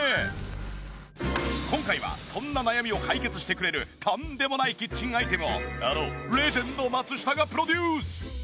今回はそんな悩みを解決してくれるとんでもないキッチンアイテムをあのレジェンド松下がプロデュース。